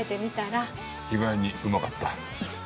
意外にうまかった。